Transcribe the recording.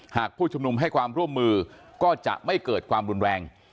ผู้ชุมนุมให้ความร่วมมือก็จะไม่เกิดความรุนแรง